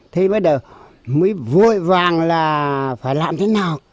thế bây giờ mới vội vàng là phải làm thế nào